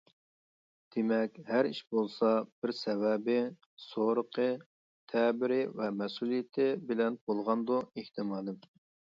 دېمەك ھەر ئىش بولسا بىر سەۋەبى، سورىقى، تەبىرى ۋە مەسئۇلىيىتى بىلەن بولغاندۇ، ئېھتىمالىم.